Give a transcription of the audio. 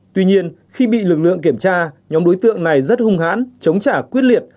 tuy nhiên khi bị lực lượng kiểm tra nhóm đối tượng này rất hung hãn chống trả quyết liệt